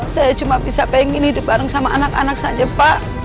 saya cuma bisa pengen hidup bareng sama anak anak saja pak